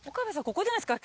ここじゃないですか？